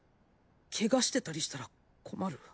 ケガしてたりしたら困る